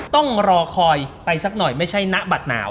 ต้องรอคอยไปสักหน่อยไม่ใช่ณบัตรหนาว